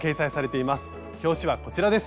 表紙はこちらです。